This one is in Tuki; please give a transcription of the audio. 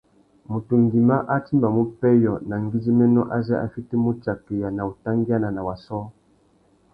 Mutu ngüimá a timbamú pêyô na ngüidjiménô azê a fitimú utsakeya na utangüiana na wa sôō.